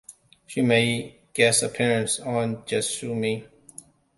She made guest appearances on Just Shoot Me!